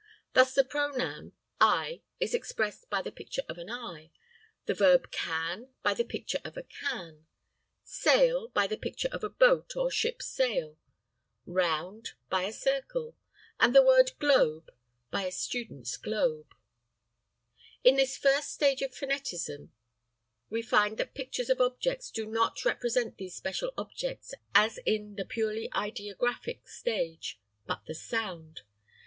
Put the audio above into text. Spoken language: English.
Thus, the pronoun "I" is expressed by the picture of an eye; the verb "can" by the picture of a can; "sail" by the picture of a boat or ship's sail; "round" by a circle, and the word "globe" by a student's globe. [Illustration: The five pictures.] In this first stage of phonetism we find that pictures of objects do not represent these special objects as in the purely ideographic stage, but the sound.